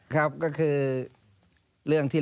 ครับก็คือเรื่องที่